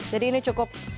jadi ini cukup